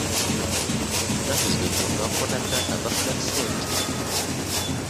Ennaku zino abakola tanka bafuna ssente.